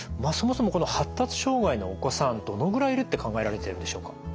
そもそもこの発達障害のお子さんどのぐらいいるって考えられているんでしょうか？